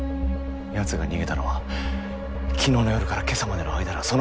奴が逃げたのは昨日の夜から今朝までの間だ。